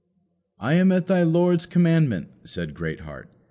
"I am at my lord's commandment," said Greatheart.